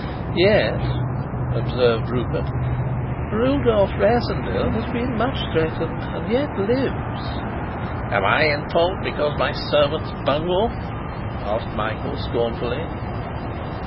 "Yet," observed Rupert, "Rudolf Rassendyll has been much threatened, and yet lives!" "Am I in fault because my servants bungle?" asked Michael scornfully.